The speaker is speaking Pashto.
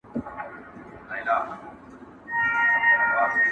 په یوه لیدو په زړه باندي خوږ من سو!!